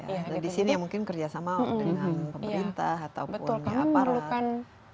nah di sini mungkin kerjasama dengan pemerintah ataupun aparat